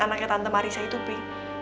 yang anaknya tante marissa itu pi